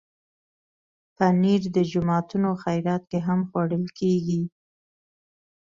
پنېر د جوماتونو خیرات کې هم خوړل کېږي.